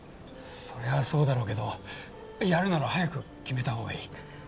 そりゃそうだろうけどやるなら早く決めたほうがいい。